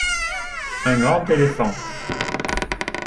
Un grand éléphant.